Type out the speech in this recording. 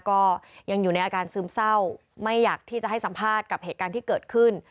ก็ยังอยู่ในอาการซึมเศร้าไม่อยากที่จะให้สัมภาษณ์กับเหตุการณ์ที่เกิดขึ้น